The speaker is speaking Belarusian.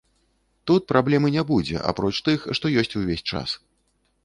Тут праблемы не будзе апроч тых, што ёсць увесь час.